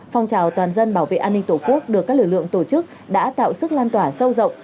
phong trào toàn dân bảo vệ an ninh tổ quốc được các lực lượng tổ chức đã tạo sức lan tỏa sâu rộng